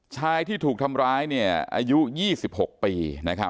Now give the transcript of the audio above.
ชายที่ถูกทำร้ายอายุ๒๖ปี